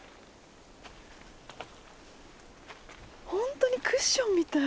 本当にクッションみたい。